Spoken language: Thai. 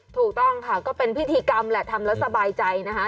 ถูกต้องค่ะก็เป็นพิธีกรรมแหละทำแล้วสบายใจนะคะ